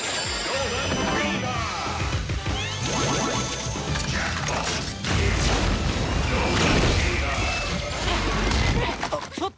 うっ！